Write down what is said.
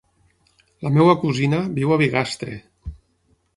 La meva cosina viu a Bigastre.